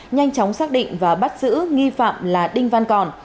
nhanh chóng xác định và bắt giữ nghi phạm là đinh văn còn